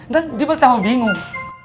nanti dia bakal tambah bingung